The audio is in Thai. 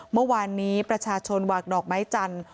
เมื่อวานนี้ประชาชนวางดอกไม้จันทร์